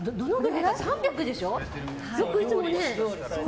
３００でしょ？